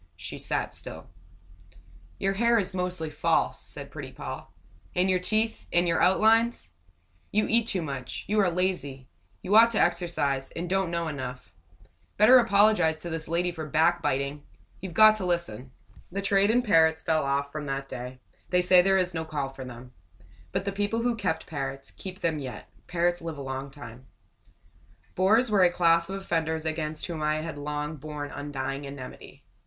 She sat still. "Your hair is mostly false," said pretty Poll. "And your teeth and your outlines. You eat too much. You are lazy. You ought to exercise, and don't know enough. Better apologize to this lady for backbiting! You've got to listen." The trade in parrots fell off from that day; they say there is no call for them. But the people who kept parrots, keep them yet parrots live a long time. Bores were a class of offenders against whom I had long borne undying enmity.